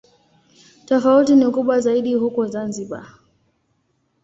Tofauti ni kubwa zaidi huko Zanzibar.